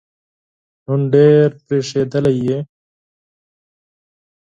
نن ډېر برېښېدلی یې